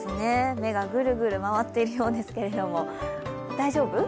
目がぐるぐる回っているようですけれども、大丈夫？